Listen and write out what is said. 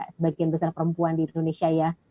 sebagian besar perempuan di indonesia ya